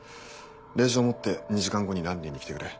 令状を持って２時間後にランリーに来てくれ。